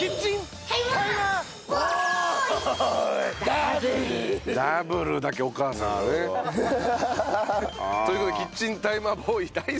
「ダブル」だけお母さんでね。という事でキッチンタイマーボーイ大好きです。